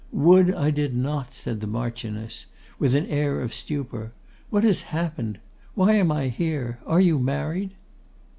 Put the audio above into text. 'Would I did not!' said the Marchioness, with an air of stupor. 'What has happened? Why am I here? Are you married?